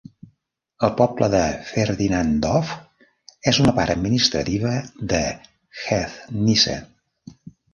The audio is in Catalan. El poble de Ferdinandov és una part administrativa de Hejnice.